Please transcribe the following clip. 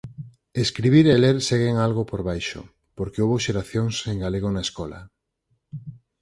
Escribir e ler seguen algo por baixo, porque houbo xeracións sen galego na escola.